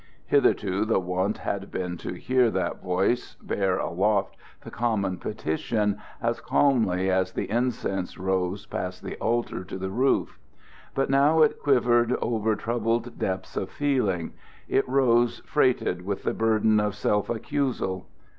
Hitherto the wont had been to hear that voice bear aloft the common petition as calmly as the incense rose past the altar to the roof; but now it quivered over troubled depths of feeling, it rose freighted with the burden of self accusal.